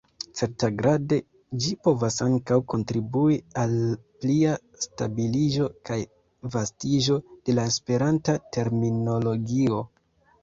Certagrade ĝi povas ankaŭ kontribui al plia stabiliĝo kaj vastiĝo de la Esperanta terminologio.